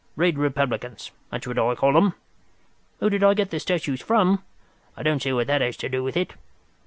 Red republicans—that's what I call 'em. Who did I get the statues from? I don't see what that has to do with it.